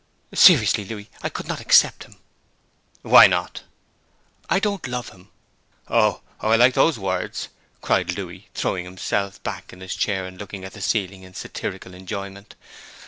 'Seriously, Louis, I could not accept him.' 'Why not?' 'I don't love him.' 'Oh, oh, I like those words!' cried Louis, throwing himself back in his chair and looking at the ceiling in satirical enjoyment.